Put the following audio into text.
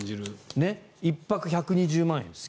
１泊１２０万円です。